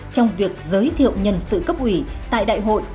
trong việc giới thiệu nhân sự cấp ủy tại đại hội